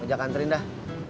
ojek kantorin dah